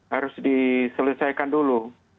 harus diselesaikan dulu